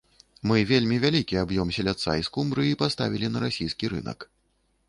Мы вельмі вялікі аб'ём селядца і скумбрыі паставілі на расійскі рынак.